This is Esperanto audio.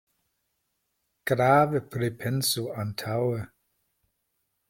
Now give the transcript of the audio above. Grave pripensu antaŭe.